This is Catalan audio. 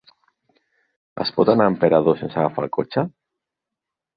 Es pot anar a Emperador sense agafar el cotxe?